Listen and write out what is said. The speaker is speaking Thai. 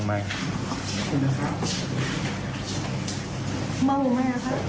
เม้าไหมคะ